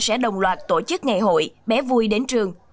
sẽ đồng loạt tổ chức ngày hội bé vui đến trường